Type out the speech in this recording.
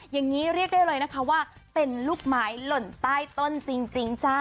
อย่างนี้เรียกได้เลยนะคะว่าเป็นลูกไม้หล่นใต้ต้นจริงจ้า